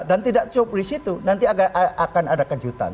dan tidak cuma polisi itu nanti akan ada kejutan